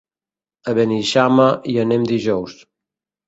A Beneixama hi anem dijous.